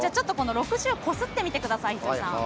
６０こすってみてください。